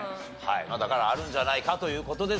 だからあるんじゃないか？という事ですが。